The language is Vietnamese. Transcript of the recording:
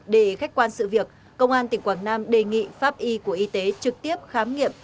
để khách quan sự việc công an tỉnh quảng nam đề nghị pháp y của y tế trực tiếp khám nghiệm